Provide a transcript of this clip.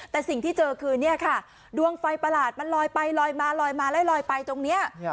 แต่สิ่งที่เจอคือเนี่ยค่ะดวงไฟประหลาดมันลอยไปลอยมาลอยมาแล้วลอยไปตรงนี้